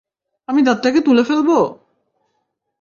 আমি দাঁতটাকে তুলে ফেলব!